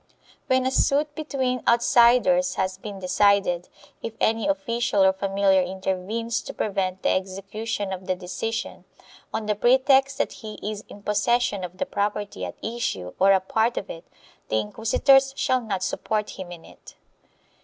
When a suit between outsiders has been decided, if any official or familiar intervenes to prevent the execution of the decision, on the pretext that he is in possession of the propertv at issue or a part of it, the inquisitors shall not support him in it.